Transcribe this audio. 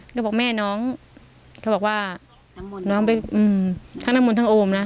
แล้วบอกแม่น้องเขาบอกว่าน้องไปทั้งน้ำมนต์ทั้งโอมนะ